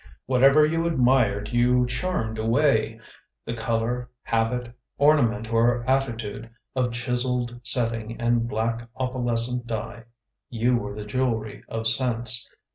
Whatever you admired you channed away â The color, habit, ornament or attitude. Of chiseled setting and black opalescent dye. You were the jewelry of sense.